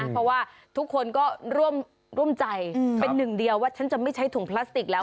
เพราะว่าทุกคนก็ร่วมใจเป็นหนึ่งเดียวว่าฉันจะไม่ใช้ถุงพลาสติกแล้ว